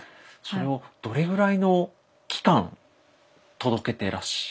それをどれぐらいの期間届けてらっしゃったんですか？